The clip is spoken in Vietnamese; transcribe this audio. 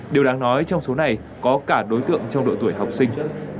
điều đáng nói trong số này có cả đối tượng trong độ tuổi học sinh